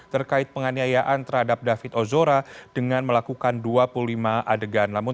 terima kasih atas perhatian dan kesabaran yang menunggu